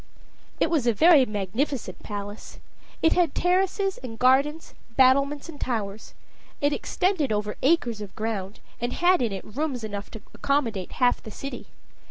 It was a very magnificent palace. It had terraces and gardens, battlements and towers. It extended over acres of ground, and had in it rooms enough to accommodate half the city.